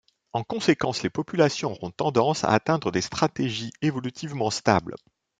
En conséquence, les populations auront tendance à atteindre des stratégies évolutivement stables.